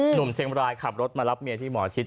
หนุ่มเชียงบรายขับรถมารับเมียที่หมอชิด